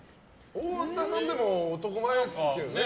太田さん、でも男前ですけどね。